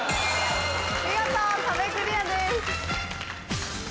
見事壁クリアです。